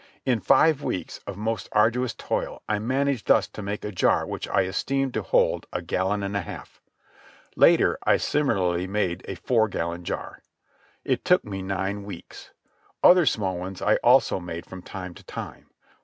In five weeks of most arduous toil I managed thus to make a jar which I estimated to hold a gallon and a half. Later, I similarly made a four gallon jar. It took me nine weeks. Other small ones I also made from time to time.